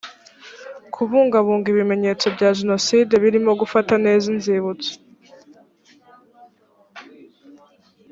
kubungabunga ibimenyetso bya jenoside birimo gufata neza inzibutso